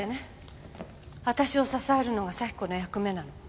私を支えるのが咲子の役目なの。